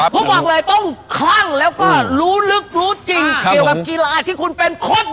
ผมบอกเลยต้องคลั่งแล้วก็รู้ลึกรู้จริงเกี่ยวกับกีฬาที่คุณเป็นคน